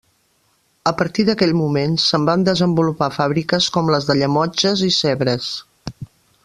A partir d'aquell moment, se'n van desenvolupar fàbriques com les de Llemotges i Sèvres.